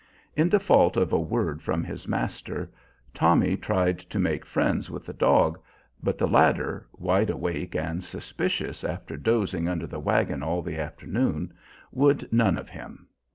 In default of a word from his master, Tommy tried to make friends with the dog, but the latter, wide awake and suspicious after dozing under the wagon all the afternoon, would none of him.